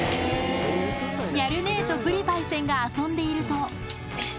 ニャル姉とぶりパイセンが遊んでいると。